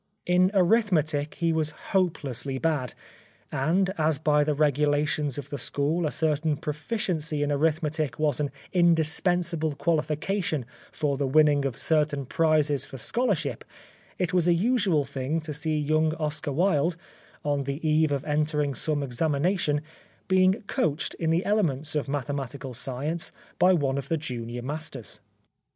In 103 The Life of Oscar Wilde arithmetic he was hopelessly bad, and, as by the regulations of the school a certain proficiency in arithmetic was an indispensable qualification for the winning of certain prizes for scholarship, it was a usual thing to see young Oscar Wilde, on the eve of entering some examination, being coached in the elements of mathematical science by one of the junior masters.